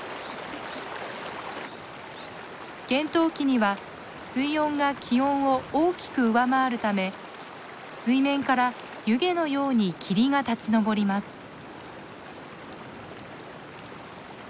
厳冬期には水温が気温を大きく上回るため水面から湯気のように霧が立ち上ります。